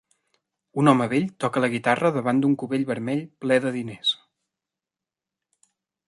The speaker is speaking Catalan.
Un home vell toca la guitarra davant d'un cubell vermell ple de diners.